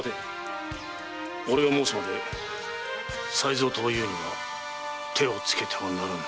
俺が申すまで才蔵とおゆうには手をつけてはならぬ。